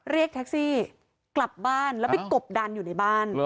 เรียกแท็กซี่กลับบ้านแล้วไปกบดันอยู่ในบ้าน